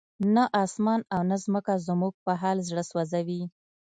نه اسمان او نه ځمکه زموږ په حال زړه سوځوي.